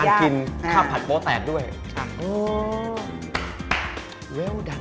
เพราะฉะนั้นถ้าใครอยากทานเปรี้ยวเหมือนโป้แตก